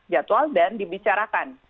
jadwal dan dibicarakan